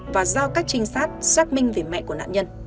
và giao các trinh sát xác minh về mẹ của nạn nhân